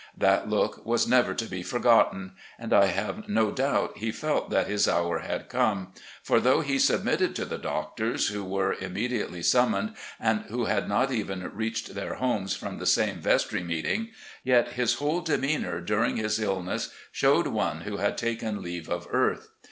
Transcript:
That look was never to be forgotten, and I have no doubt he felt that his hour had come ; for though he submitted to the doctors, who were immediately summoned, and who had not even reached their homes from the same vestry meeting, yet his whole demeanour during his illness showed one who had taken leave of earth.